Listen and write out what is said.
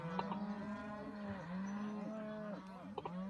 他拥有一部奔驰并从事古董汽车出租的生意。